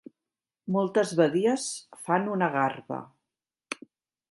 Moltes badies fan una garba.